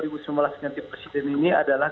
dua ribu sembilan belas ganti presiden ini adalah